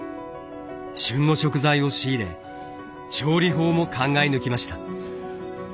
旬の食材を仕入れ調理法も考え抜きました。